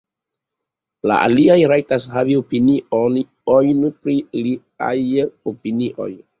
La aliaj rajtas havi opiniojn pri liaj opinioj.